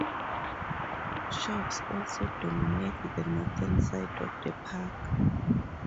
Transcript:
Shops also dominate the northern side of the park.